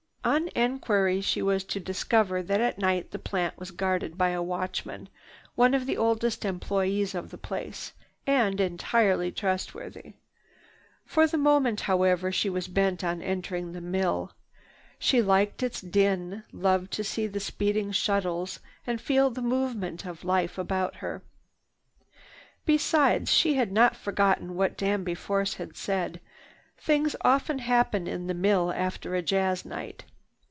On enquiry she was to discover that at night the plant was guarded by a watchman, one of the oldest employees of the place, and entirely trustworthy. For the moment, however, she was bent on entering the mill. She liked its din, loved to see the speeding shuttles and feel the movement of life about her. Besides, she had not forgotten what Danby Force had said: "Things often happen in the mill after a jazz night."